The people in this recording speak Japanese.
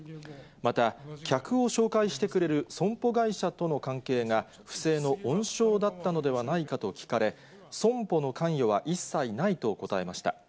また客を紹介してくれる損保会社との関係が、不正の温床だったのではないかと聞かれ、損保の関与は一切ないと答えました。